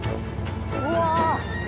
うわ！